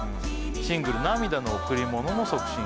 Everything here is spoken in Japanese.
シングル「涙の贈り物」の促進